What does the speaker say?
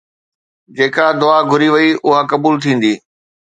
جيڪا دعا گهري وئي اها قبول ٿيندي.